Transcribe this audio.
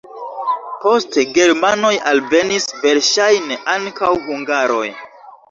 Poste germanoj alvenis, verŝajne ankaŭ hungaroj.